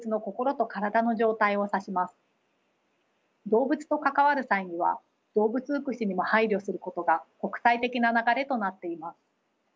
動物と関わる際には動物福祉にも配慮することが国際的な流れとなっています。